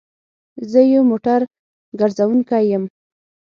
زه يو موټر ګرځونکی يم